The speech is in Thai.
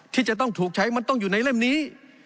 ที่จะต้องถูกใช้มันต้องอยู่ในเล่มนี้